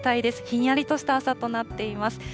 ひんやりとした朝となっています。